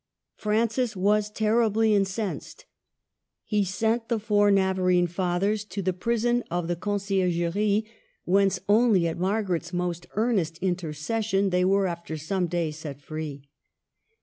Francis was terribly incensed. He sent the four Navarrene Fathers to the prison of the Concier gerie, whence only at Margaret's most earnest intercession they were, after some days, set free.